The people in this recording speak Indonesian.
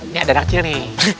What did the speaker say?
nggak ada nak ciri